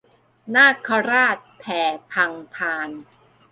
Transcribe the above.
นาคราชแผ่พังพาน